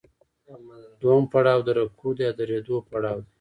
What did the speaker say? دویم پړاو د رکود یا درېدو پړاو دی